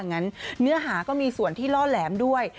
เนื้อหาก็มีส่วนที่ล่อแหลมด้วย